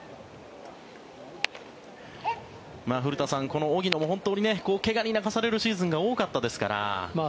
古田さん、この荻野も怪我に泣かされるシーズンが多かったですから。